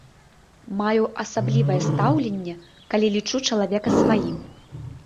Маю асаблівае стаўленне, калі лічу чалавека сваім.